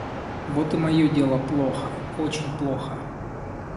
Вот и мое дело плохо, очень плохо.